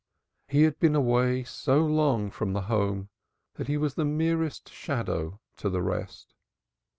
He had been so long away from home that he was the merest shadow to the rest.